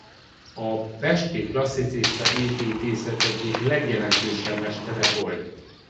A pesti klasszicista építészet egyik legjelentősebb mestere volt.